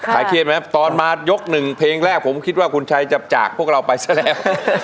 เครียดไหมตอนมายกหนึ่งเพลงแรกผมคิดว่าคุณชัยจะจากพวกเราไปซะแล้ว